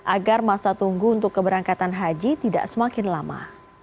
agar masa tunggu untuk keberangkatan haji tidak semakin lama